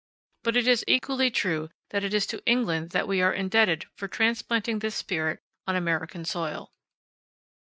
But it is equally true that it is to England that we are indebted for transplanting this spirit on American soil.